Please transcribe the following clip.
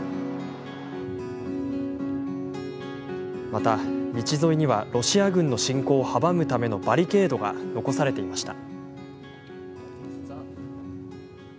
また、道沿いにはロシア軍の侵攻を阻むためのバリケードが残されていました。